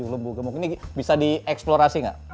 tujuh lembu gemuk ini bisa di eksplorasi tidak